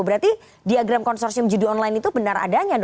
berarti diagram konsorsium judi online itu benar adanya